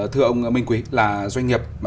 thưa ông minh quý là doanh nghiệp